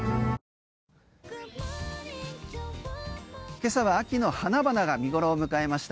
今朝は秋の花々が見ごろを迎えました